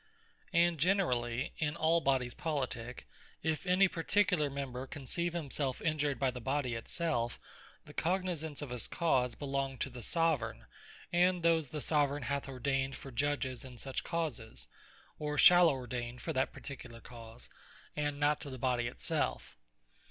And generally, in all Bodies Politique, if any particular member conceive himself Injured by the Body it self, the Cognisance of his cause belongeth to the Soveraign, and those the Soveraign hath ordained for Judges in such causes, or shall ordaine for that particular cause; and not to the Body it self.